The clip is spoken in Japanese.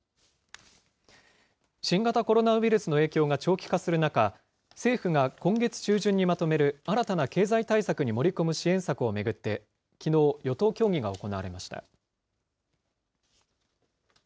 新型コロナウイルスの影響が長期化する中、政府が今月中旬にまとめる新たな経済対策に盛り込む支援策を巡って、きのう、与党協議が行われました。